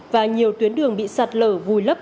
và nhiều tuyến đường bị sạt lở vùi lấp